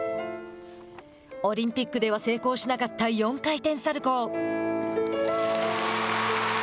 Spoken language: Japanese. オリンピックでは成功しなかった４回転サルコー。